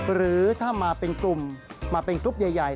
หรือถ้ามาเป็นกลุ่มมาเป็นกรุ๊ปใหญ่